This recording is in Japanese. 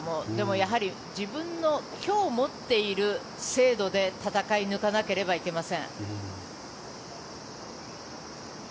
やはり自分の今日持っている精度で戦い抜かなければいけません。